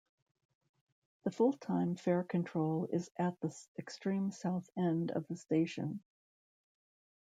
The full-time fare control is at the extreme south end of the station.